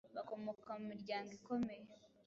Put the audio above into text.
bakomoka mu miryango ikomeye